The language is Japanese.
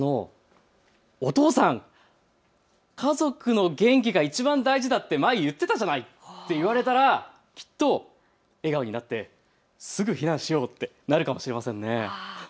お父さん、家族の元気がいちばん大事だって前、言ってたじゃないと言われたらきっと笑顔になってすぐ避難しようってなるかもしれないですね。